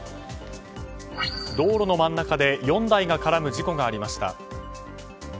道路の真ん中で４台が絡む事故がありました。